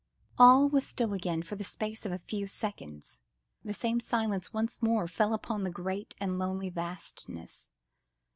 All was still again for the space of a few seconds; the same silence once more fell upon the great and lonely vastness.